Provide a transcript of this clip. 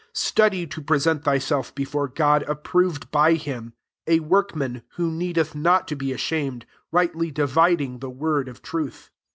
15 Study to pre sent thyself before God approv ed by Idm^ a workman who need eth not to be ashamed, rightly dividing the word of truth.